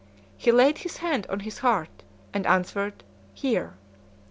he laid his hand on his heart, and answered, "Here."